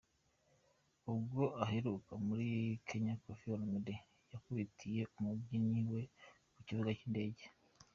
Ubwo aheruka muri Kenya, Koffi Olomide yakubitiye umubyinnyi we ku kibuga cy’indege.